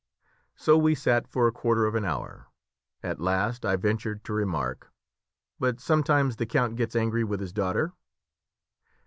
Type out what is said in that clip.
So we sat for a quarter of an hour. At last I ventured to remark "But sometimes the count gets angry with his daughter?"